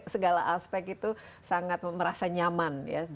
dan segala aspek itu sangat merasa nyaman